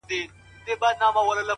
نه ښېرا نه کوم هغه څومره نازک زړه لري؛